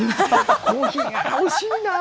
コーヒー、惜しいなぁ。